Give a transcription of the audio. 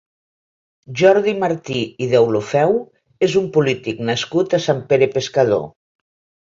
Jordi Martí i Deulofeu és un polític nascut a Sant Pere Pescador.